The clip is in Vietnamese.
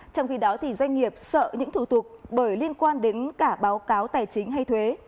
trong khi đó doanh nghiệp sợ những thủ tục bởi liên quan đến cả báo cáo tài chính hay thuế